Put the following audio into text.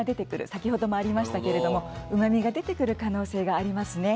先ほどもありましたけれどもうまみが出てくる可能性がありますね。